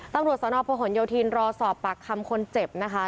ตำรวจสนพลโยธินรอสอบปากคำคนเจ็บนะคะ